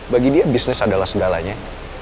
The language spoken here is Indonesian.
bagi dia bisnis adalah segalanya